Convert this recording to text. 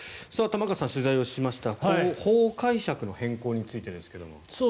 玉川さん、取材をしました法解釈の変更についてですが。